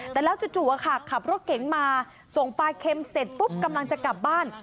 แต่แล้วจู่ขับรถเก๋งมาส่งปลาเค็มเสร็จปุ๊บกำลังจะกลับบ้าน